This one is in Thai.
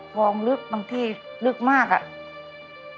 คลองลึกบางที่ลึกมากอะ